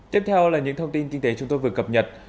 tiếp theo là những thông tin kinh tế chúng tôi vừa cập nhật